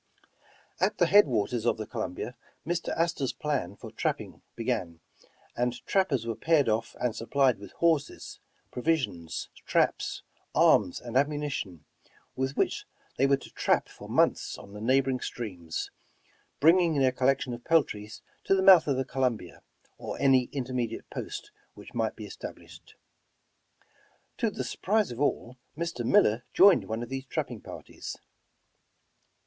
At the head waters of the Columbia, Mr. Astor ^s plans for trapping began, and trappers were paired off and supplied with horses, provisions, traps, arms and ammunition, with which they were to trap for months on the neighboring streams, bringing their collections of peltries to the mouth of the Columbia, or any inter mediate post which might be established. To the sur prise of all, Mr. Miller joined one of these trapping parties.